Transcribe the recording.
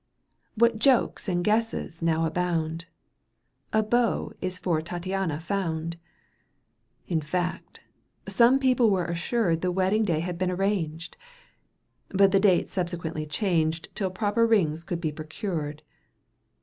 What jokes and guesses now abound, A beau is for Tattiana found ! In fact, some people were assured The wedding day had been arranged. But the date subsequently changed Till proper rings could be procured.